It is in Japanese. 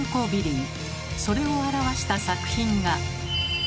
それを表した作品が。